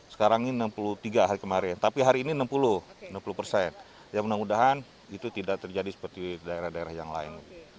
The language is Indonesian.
sekarang ini enam puluh tiga hari kemarin tapi hari ini enam puluh enam puluh persen ya mudah mudahan itu tidak terjadi seperti daerah daerah yang lain